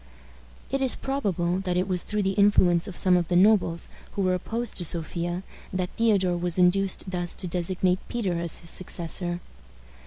It is probable that it was through the influence of some of the nobles who were opposed to Sophia that Theodore was induced thus to designate Peter as his successor.